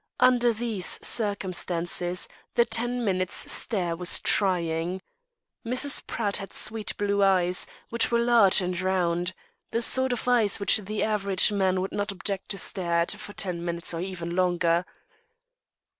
Under these circumstances the ten minutes' stare was trying. Mrs. Pratt had sweet blue eyes, which were large and round the sort of eyes which the average man would not object to stare at for ten minutes or even longer.